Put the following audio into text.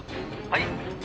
「はい」